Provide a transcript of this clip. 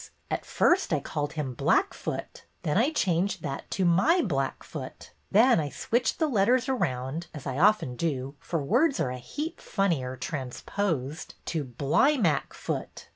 At first I called him ' Black foot.' Then I changed that to ' My black foot.' Then I switched the letters around — as I often do, for words are a heap funnier transposed — to ' Bly mack foot.